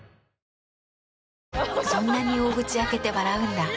そんなに大口開けて笑うんだ。